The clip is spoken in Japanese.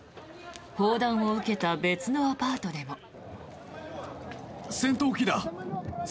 砲弾を受けた別のアパートでも。